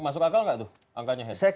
masuk akal nggak tuh angkanya head